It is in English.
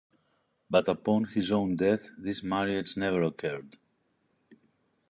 But upon his own death, this marriage never occurred.